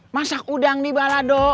masak udang di balado